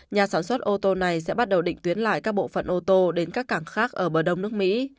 nhà sản xuất ô tô này sẽ bắt đầu định tuyến lại các bộ phận ô tô đến các cảng khác ở bờ đông nước mỹ